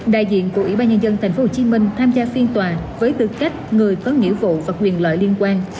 đại diện của ủy ban nhân dân tp hcm tham gia phiên tòa với tư cách người có nghĩa vụ và quyền lợi liên quan